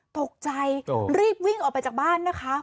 ตกใจรีบวิ่งออกไปจากบ้านนะคะ